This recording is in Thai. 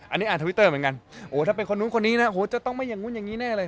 อันนี้อ่านทวิตเตอร์เหมือนกันโอ้ถ้าเป็นคนนู้นคนนี้นะโหจะต้องไม่อย่างนู้นอย่างนี้แน่เลย